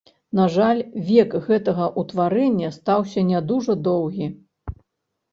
На жаль, век гэтага ўтварэння стаўся не дужа доўгі.